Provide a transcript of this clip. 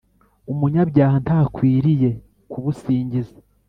Umunyabyaha ntakwiriye kubusingiza,